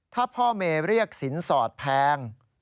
ถ้าพ่อเมย์เรียกสินสอดแพง